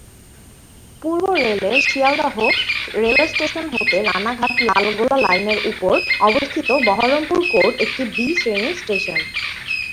পূর্ব rail এর Sealdah Sealdah railway station হতে রাণাঘাট- লালগোলা শাখা লাইনের উপর অবস্থিত বহরমপুর কোর্ট একটি 'বি' শ্রেণির স্টেশন।